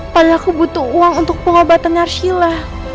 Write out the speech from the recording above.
padahal aku butuh uang untuk pengobatan arshila